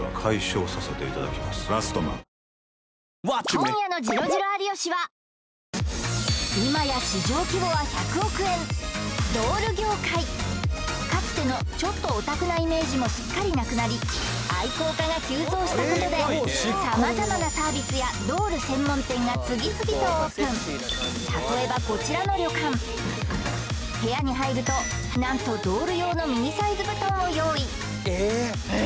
今夜の「ジロジロ有吉」は今やかつてのちょっとオタクなイメージもすっかりなくなり愛好家が急増したことで様々なサービスやドール専門店が次々とオープン例えばこちらの旅館部屋に入るとなんとドール用のミニサイズ布団を用意